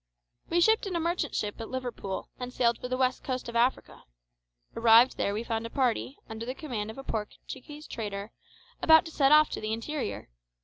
We shipped in a merchant ship at Liverpool, and sailed for the west coast of Africa. Arrived there we found a party, under the command of a Portuguese trader, about to set off to the interior.